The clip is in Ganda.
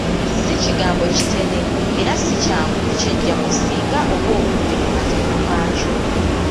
Si kigambo kitene era si kyangu ku ky'eggyako singa oba ogudde mu katego kaakyo.